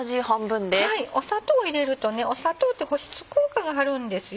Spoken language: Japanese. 砂糖を入れると砂糖って保湿効果があるんですよ。